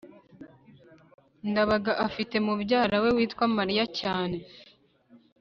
ndabaga afite mubyara we witwa mariya cyane